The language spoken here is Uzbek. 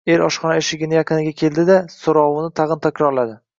Er oshxona eshigi yaqiniga keldi-da, soʻrovini tagʻin takrorladi